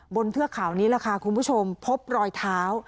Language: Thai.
เทือกเขานี้แหละค่ะคุณผู้ชมพบรอยเท้า